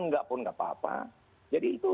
nggak pun nggak apa apa jadi itu